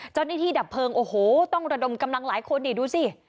เจ้าหน้าที่ดับเพลิงโอ้โหต้องระดมกำลังหลายคนเนี่ยดูสิ